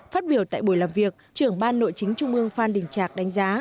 phát biểu tại buổi làm việc trưởng ban nội chính trung ương phan đình trạc đánh giá